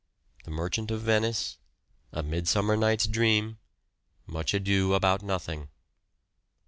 The Merchant of Venice. A Midsummer Night's Dream. Much Ado About Nothing.